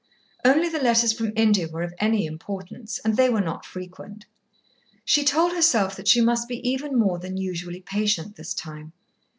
Only the letters from India were of any importance, and they were not frequent. She told herself that she must be even more than usually patient this time.